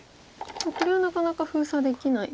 これはなかなか封鎖できないですか。